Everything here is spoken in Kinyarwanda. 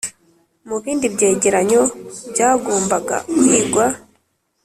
mu bindi byegeranyo byagombaga kwigwa